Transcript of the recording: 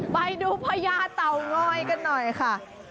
ไปดูพญาเต่างอยกันหน่อยค่ะ